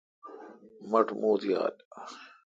مٹھ موُت یال۔